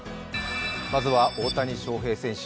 まずは大谷翔平選手。